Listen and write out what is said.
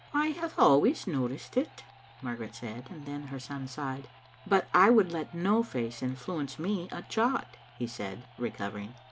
"I have always noticed it," Margaret said, and then her son sighed. " But I would let no face influence me a jot," he said, recovering.